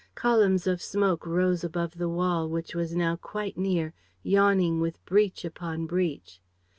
Columns of smoke rose above the wall, which was now quite near, yawning with breach upon breach.